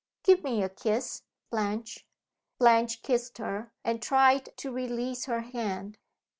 "Give me a kiss, Blanche." Blanche kissed her, and tried to release her hand.